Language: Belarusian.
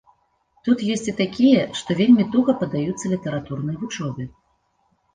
Тут ёсць і такія, што вельмі туга паддаюцца літаратурнай вучобе.